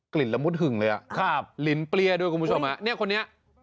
กลิ่นละมุดหึงเลยแหละครับลิ้นเปลี้ยด้วยคุณผู้ชมน่ะเนี้ยคนนี้